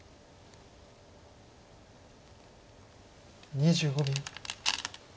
２５秒。